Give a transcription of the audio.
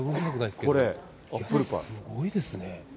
これ、すごいですね。